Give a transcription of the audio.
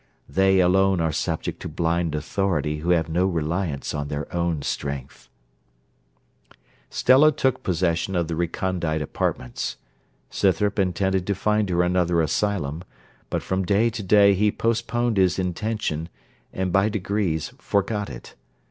They alone are subject to blind authority who have no reliance on their own strength.' Stella took possession of the recondite apartments. Scythrop intended to find her another asylum; but from day to day he postponed his intention, and by degrees forgot it.